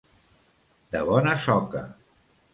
De bona soca.